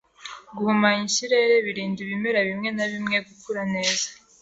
Guhumanya ikirere birinda ibimera bimwe na bimwe gukura neza.